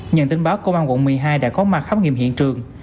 nhận tin báo công an quận một mươi hai đã có mặt khám nghiệm hiện trường